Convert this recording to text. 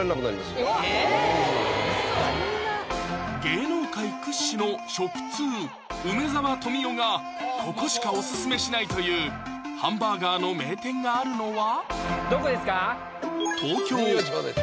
芸能界屈指の食通・梅沢富美男がここしかオススメしないというハンバーガーの名店があるのはどこですか？